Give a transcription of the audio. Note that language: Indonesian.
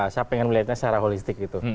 saya pengen melihatnya secara holistik